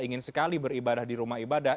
ingin sekali beribadah di rumah ibadah